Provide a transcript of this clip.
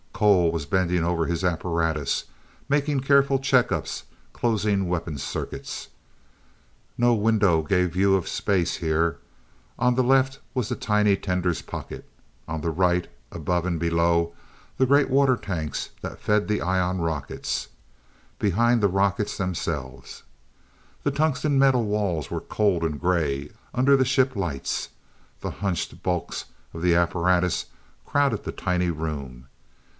Cole was bending over his apparatus, making careful check ups, closing weapon circuits. No window gave view of space here; on the left was the tiny tender's pocket, on the right, above and below the great water tanks that fed the ion rockets, behind the rockets themselves. The tungsten metal walls were cold and gray under the ship lights; the hunched bulks of the apparatus crowded the tiny room.